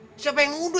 loh siapa yang nuduh